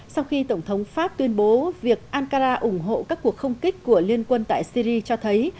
sau khi tổng thống pháp tuyên bố việc ankara ủng hộ các cuộc không kích của liên quân tại syri cho thấy